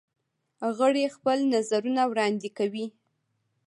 غړي خپل نظرونه وړاندې کوي.